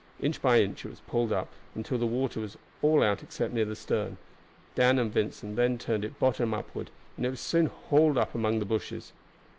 Inch by inch it was pulled up, until the water was all out except near the stern. Dan and Vincent then turned it bottom upward, and it was soon hauled up among the bushes.